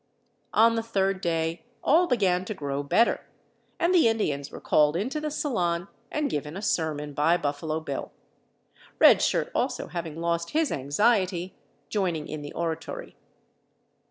On the third day all began to grow better, and the Indians were called into the salon and given a sermon by Buffalo Bill; Red Shirt also, having lost his anxiety, joining in the oratory.